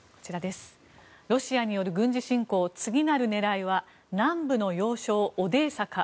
ロシアによる軍事侵攻次なる狙いは南部の要衝オデーサか。